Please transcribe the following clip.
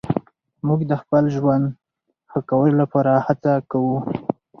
موږ د خپل ژوند ښه کولو لپاره هڅه کوو.